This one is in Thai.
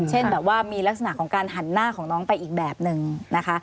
เช่นแบบว่ามีลักษณะของการหันหน้าของน้องไปอีกแบบนึงนะคะ